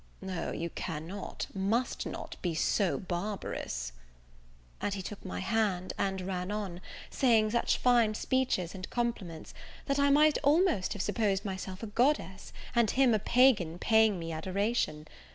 "O you cannot, must not be so barbarous." And he took my hand, and ran on, saying such fine speeches, and compliments, that I might almost have supposed myself a goddess, and him a pagan paying me adoration.